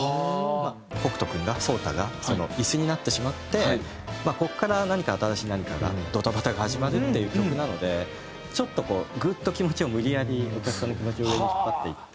北斗君が草太が椅子になってしまってここから何か新しい何かがドタバタが始まるっていう曲なのでちょっとこうグッと気持ちを無理やりお客さんの気持ちを上に引っ張っていって。